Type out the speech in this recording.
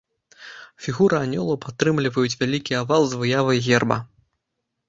Фігуры анёлаў падтрымліваюць вялікі авал з выявай герба.